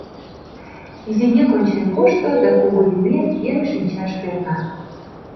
Изинек ончен кушто, да кугу лиймек, еҥ шинчаш перна.